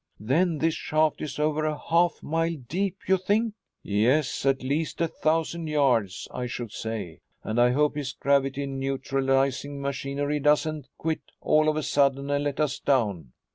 "Then this shaft is over a half mile deep, you think?" "Yes, at least a thousand yards, I should say. And I hope his gravity neutralizing machinery doesn't quit all of a sudden and let us down."